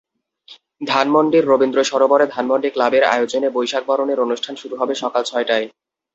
ধানমন্ডির রবীন্দ্রসরোবরে ধানমন্ডি ক্লাবের আয়োজনে বৈশাখ বরণের অনুষ্ঠান শুরু হবে সকাল ছয়টায়।